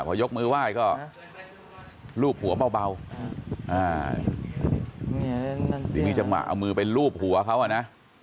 พอยกมือไหว้ก็ลูบหัวเบาเดี๋ยวมีจังหวะเอามือไปลูบหัวเขาอ่ะนะ